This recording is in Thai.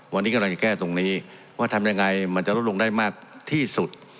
วันนี้กำลังจะแก้ตรงนี้ว่าทำยังไงมันจะลดลงได้มากที่สุด